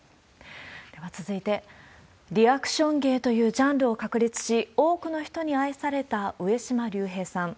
では続いて、リアクション芸というジャンルを確立し、多くの人に愛された上島竜平さん。